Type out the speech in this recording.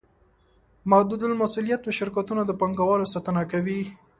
محدودالمسوولیت شرکتونه د پانګوالو ساتنه کوي.